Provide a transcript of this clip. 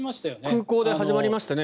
空港で始まりましたね。